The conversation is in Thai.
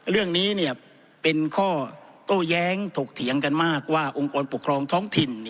เรื่องนี้เป็นข้อโต้แย้งถกเถียงกันมากว่าองค์กรปกครองท้องถิ่น